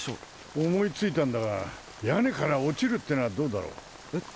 おもいついたんだがやねからおちるってのはどうだろう？え？